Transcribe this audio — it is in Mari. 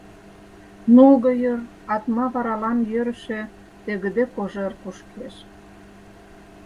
Нулго йыр атма варалан йӧрышӧ тыгыде кожер кушкеш.